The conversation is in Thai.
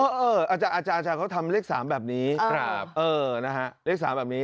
เออเอออาจารย์อาจารย์เขาทำเลข๓แบบนี้ครับเออนะฮะเลข๓แบบนี้